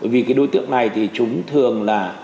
vì đối tượng này thì chúng thường là